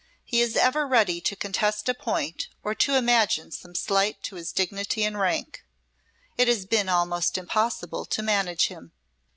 He is ever ready to contest a point, or to imagine some slight to his dignity and rank. It has been almost impossible to manage him.